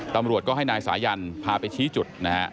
ตำรวจก็ให้นายสายันพาไปชี้จุดนะฮะ